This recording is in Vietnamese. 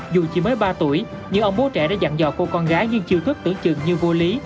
dù chỉ mới ba tuổi nhưng ông bố trẻ đã dặn dò cô con gái dưới chiêu thức tưởng chừng như vô lý